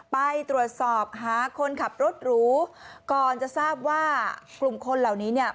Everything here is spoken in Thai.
ไปตรวจสอบหาคนขับรถหรูก่อนจะทราบว่ากลุ่มคนเหล่านี้เนี่ย